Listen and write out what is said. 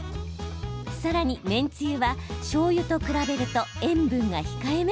さらに、麺つゆはしょうゆと比べると塩分が控えめ。